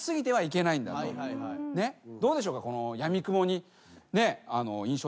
どうでしょうか？